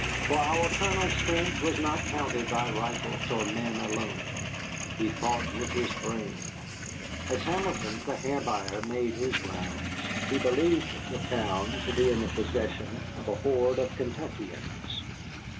For our Colonel's strength was not counted by rifles or men alone: he fought with his brain. As Hamilton, the Hair Buyer, made his rounds, he believed the town to be in possession of a horde of Kentuckians.